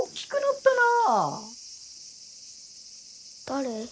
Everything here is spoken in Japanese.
誰？